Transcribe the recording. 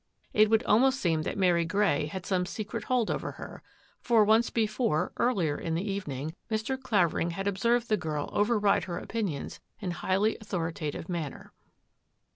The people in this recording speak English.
It w almost seem that Mary Grey had some secret over her, for once before, earlier in the evei Mr. Clavering had observed the girl override opinions in highly authoritative manner.